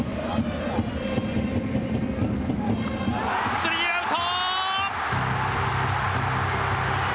スリーアウト！